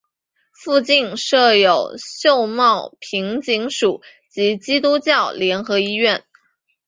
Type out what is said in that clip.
附近设有秀茂坪警署及基督教联合医院。